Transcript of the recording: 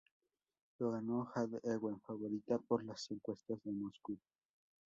Lo ganó Jade Ewen favorita por las encuestas en Moscú.